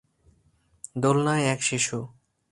দোলনায় এক শিশু।